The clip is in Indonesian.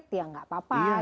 ya tidak apa apa